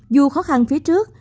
dù khó khăn phía trước